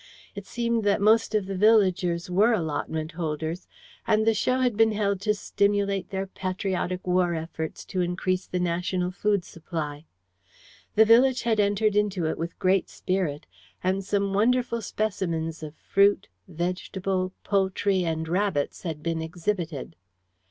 It seemed that most of the villagers were allotment holders, and the show had been held to stimulate their patriotic war efforts to increase the national food supply. The village had entered into it with great spirit, and some wonderful specimens of fruit, vegetables, poultry and rabbits had been exhibited.